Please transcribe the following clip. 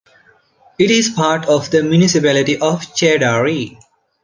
It is part of the municipality of Chaidari.